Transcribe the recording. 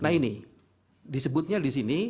nah ini disebutnya di sini